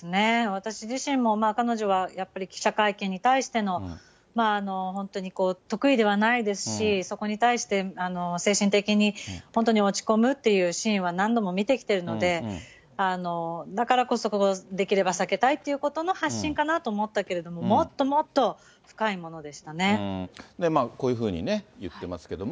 私自身も、彼女はやっぱり、記者会見に対しての、本当に得意ではないですし、そこに対して精神的に本当に落ち込むっていうシーンは何度も見てきてるので、だからこそ、できれば避けたいっていうことの発信かなと思ったけれども、もっこういうふうにね、言ってますけども。